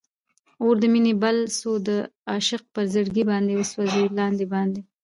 اور د مینی بل سو د عاشق پر زړګي باندي، اوسوم لاندی باندي